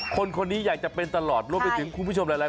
คนนี้อยากจะเป็นตลอดรวมไปถึงคุณผู้ชมหลาย